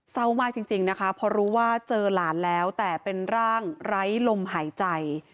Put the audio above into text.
เศร้ามากจริงนะคะเพราะรู้ว่าเจอหลานแล้วแต่เป็นร่างไร้ลมหายใจ